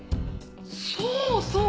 そうそう。